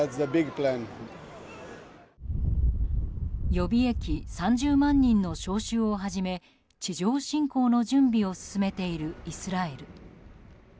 予備役３０万人の招集を始め地上侵攻の準備を進めているイスラエル。